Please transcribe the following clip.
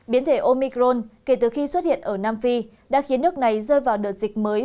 biến thể omicron kể từ khi xuất hiện ở nam phi đã khiến nước này rơi vào đợt dịch mới